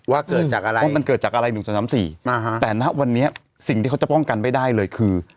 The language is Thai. เกิดจากอะไรเพราะมันเกิดจากอะไร๑๓๔แต่ณวันนี้สิ่งที่เขาจะป้องกันไม่ได้เลยคือ